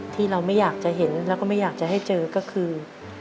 ที่เราไม่อยากจะเห็นแล้วก็ไม่อยากจะให้เจอก็คือ